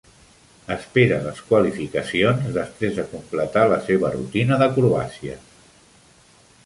Espera les qualificacions després de completar la seva rutina d'acrobàcies.